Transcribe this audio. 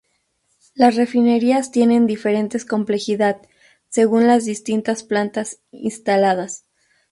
Las refinerías tienen diferentes complejidad según las distintas plantas instaladas.